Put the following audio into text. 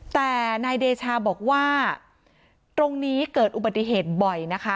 แต่นายเดชาบอกว่าตรงนี้เกิดอุบัติเหตุบ่อยนะคะ